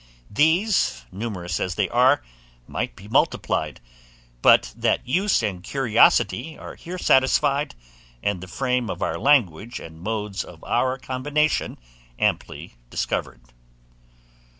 These, numerous as they are, might be multiplied, but that use and curiosity are here satisfied, and the frame of our language and modes of our combination amply discovered.